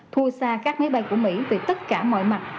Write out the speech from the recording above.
thua xa các máy bay của mỹ từ tất cả mọi mặt